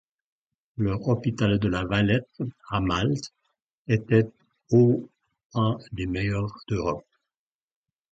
Leur hôpital de La Valette, à Malte, était au un des meilleurs d’Europe.